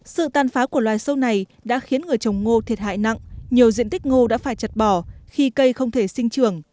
sự tàn phá của loài sâu này đã khiến người trồng ngô thiệt hại nặng nhiều diện tích ngô đã phải chặt bỏ khi cây không thể sinh trưởng